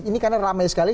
ini karena ramai sekali